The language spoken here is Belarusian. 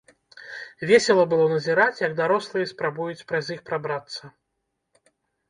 Весела было назіраць, як дарослыя спрабуюць праз іх прабрацца.